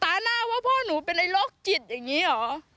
หน้าว่าพ่อหนูเป็นไอ้โรคจิตอย่างนี้เหรอ